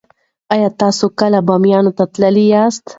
ایا تاسې کله بامیانو ته تللي یاست؟